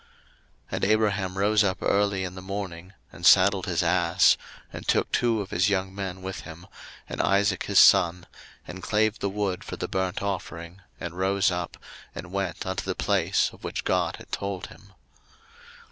01:022:003 And Abraham rose up early in the morning, and saddled his ass, and took two of his young men with him, and Isaac his son, and clave the wood for the burnt offering, and rose up, and went unto the place of which God had told him.